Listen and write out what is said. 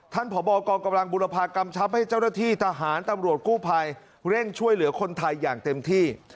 พบกองกำลังบุรพากำชับให้เจ้าหน้าที่ทหารตำรวจกู้ภัยเร่งช่วยเหลือคนไทยอย่างเต็มที่